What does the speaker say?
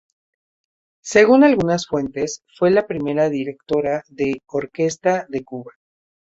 Según algunas fuentes fue la primera directora de orquesta de Cuba.